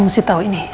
aku mesti tahu ini